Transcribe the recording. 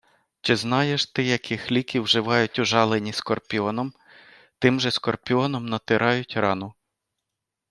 Чи знаєш ти, яких ліків вживають ужалені скорпіоном? Тим же скорпіоном натирають рану.